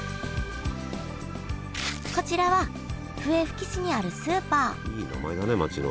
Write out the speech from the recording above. こちらは笛吹市にあるスーパーいい名前だね町の。